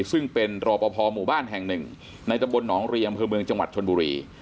ซึ่งเป็นรอปภหมู่บ้านแห่งหนึ่งในตะบลหนองเรียอำเภอเมืองจังหวัดชนบุรี